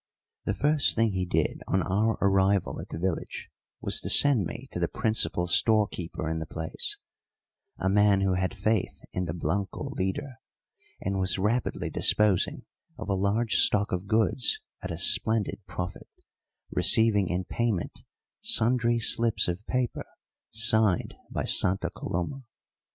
The first thing he did on our arrival at the village was to send me to the principal storekeeper in the place, a man who had faith in the Blanco leader, and was rapidly disposing of a large stock of goods at a splendid profit, receiving in payment sundry slips of paper signed by Santa Coloma.